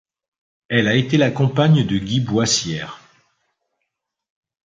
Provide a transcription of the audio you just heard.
Elle a été la compagne de Guy Boissière.